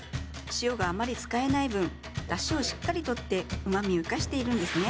塩があまり使えない分だしをしっかりとってうまみをいかしているんですね。